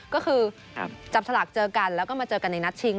ก็คือจับฉลากเจอกันแล้วก็มาเจอกันในนัดชิง